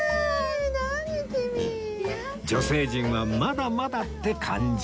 女性陣はまだまだって感じ